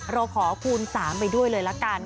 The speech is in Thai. เราขอคูณ๓ไปด้วยเลยละกัน